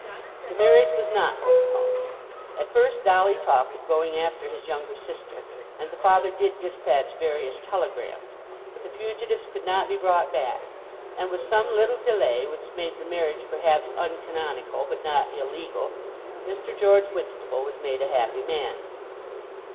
The marriage was not postponed. At first Dolly talked of going after his younger sister, and the father did dispatch various telegrams. But the fugitives could not be brought back, and with some little delay, which made the marriage perhaps uncanonical but not illegal, Mr. George Whitstable was made a happy man.